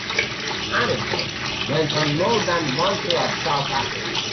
Hamilton went on more than one tour of South Africa.